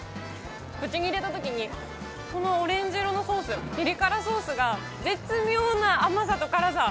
口に入れたときに、このオレンジ色のソース、ピリ辛ソースが絶妙な甘さと辛さ。